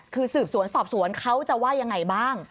คือสืบสวนสอบสวนเขาจะว่ายังไงบ้าง